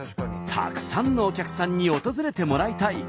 「たくさんのお客さんに訪れてもらいたい」。